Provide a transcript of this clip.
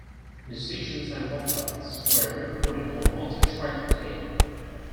Musicians and vocalists were recorded on multi-track tape.